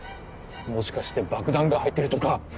もしかして爆弾が入ってるとか？